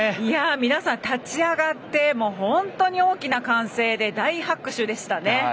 皆さん立ち上がって本当に大きな歓声で大拍手でしたね。